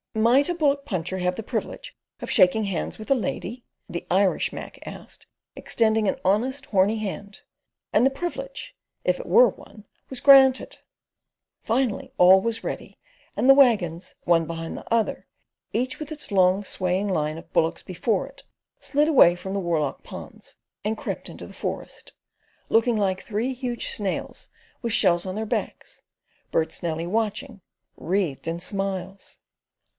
"Might a bullock puncher have the privilege of shaking hands with a lady?" the Irish Mac asked, extending an honest, horny hand; and the privilege, if it were one, was granted. Finally all was ready, and the waggons, one behind the other, each with its long swaying line of bullocks before it, slid away from the Warloch Ponds and crept into the forest, looking like three huge snails with shells on their backs, Bertie's Nellie watching, wreathed in smiles.